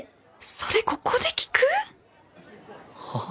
それここで聞く⁉はぁ？